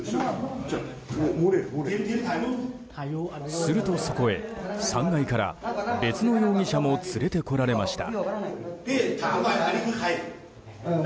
するとそこへ３階から別の容疑者も連れてこられました。